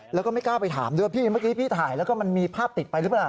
แล้วก็ไม่กล้าไปถามด้วยพี่เมื่อกี้พี่ถ่ายแล้วก็มันมีภาพติดไปหรือเปล่า